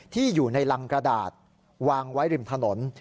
ที่อยู่ในรังกระดาษวางไว้ริมถนน